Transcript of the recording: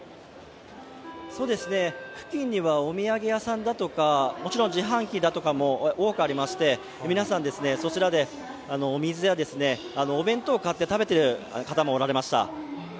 付近にはお土産屋さんだとか、もちろん自販機だとかも多くありまして、皆さん、そちらで水やお弁当を買って食べている方もおられました。